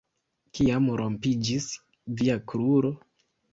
Kiam rompiĝis via kruro?